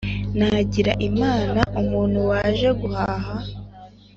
"Nagira Imana, umuntu waje guhaha,